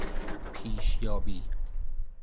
پیشیابی